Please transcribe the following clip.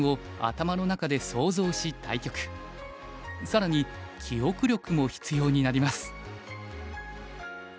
更に記憶力も必要になります。